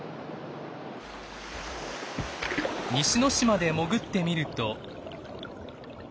西之島で潜ってみると。